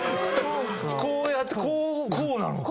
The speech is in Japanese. こうやってこうなのか。